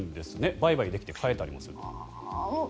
売買できて、飼えたりもする。